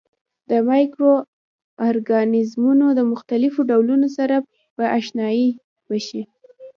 د مایکرو ارګانیزمونو د مختلفو ډولونو سره به آشنايي وشي.